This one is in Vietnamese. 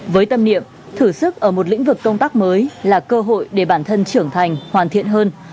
với tâm niệm thử sức ở một lĩnh vực công tác mới là cơ hội để bản thân trưởng thành hoàn thiện hơn